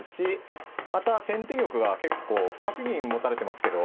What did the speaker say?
また先手玉が結構角銀を持たれてますけど。